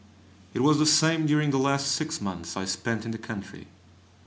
It was the same during the last six months I spent in the country.